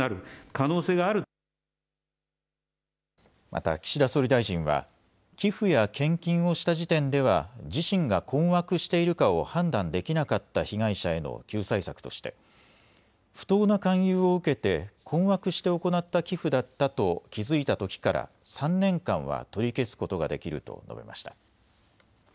また岸田総理大臣は寄付や献金をした時点では自身が困惑しているかを判断できなかった被害者への救済策として不当な勧誘を受けて困惑して行った寄付だったと気付いたときから３年間は取り消すことができると述べました。